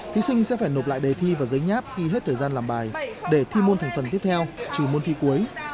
thí sinh sẽ phải nộp lại đề thi và giấy nháp khi hết thời gian làm bài để thi môn thành phần tiếp theo trừ môn thi cuối